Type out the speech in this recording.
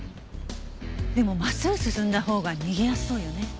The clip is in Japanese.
でも真っすぐ進んだほうが逃げやすそうよね。